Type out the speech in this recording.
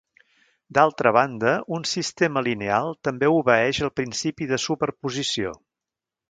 D'altra banda, un sistema lineal també obeeix el principi de superposició.